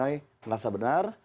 dari pihak ninoy merasa benar